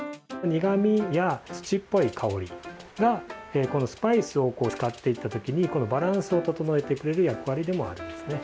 苦みや土っぽい香りがスパイスを使っていったときにバランスを整えてくれる役割でもあるんですね。